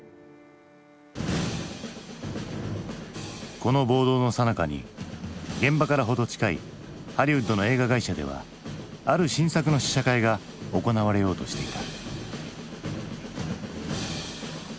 この暴動のさなかに現場から程近いハリウッドの映画会社ではある新作の試写会が行われようとしていた。